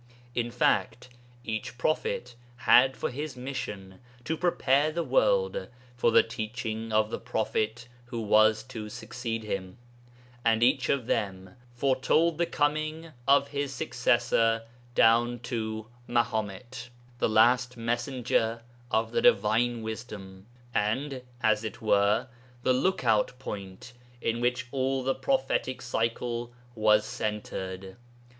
In fact, each prophet had for his mission to prepare the world for the teaching of the prophet who was to succeed him, and each of them foretold the coming of his successor down to Mahomet, the last messenger of the divine Wisdom, and as it were the look out point in which all the prophetic cycle was centred.